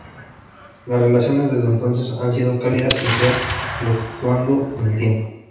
Las relaciones desde entonces han sido cálidas y frías, fluctuando con el tiempo.